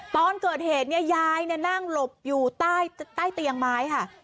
ตอนเกิดเหตุเนี่ยยายนั่งหลบอยู่ใต้เตียงไม้ค่ะ